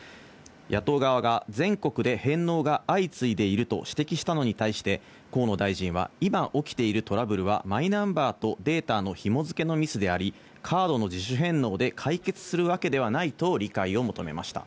野党側が全国で返納が相次いでいると指摘したのに対して、河野大臣は、今、起きているトラブルはマイナンバーとデータのひも付けのミスであり、カードの自主返納で解決するわけではないと理解を求めました。